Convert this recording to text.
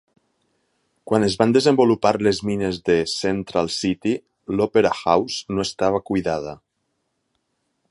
Quan es van desenvolupar les mines de Central City, l'Opera Hause no estava cuidada.